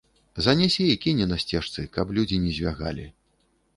Занясе й кіне на сцежцы, каб людзі не звягалі.